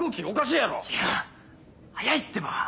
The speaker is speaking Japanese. いや早いってば。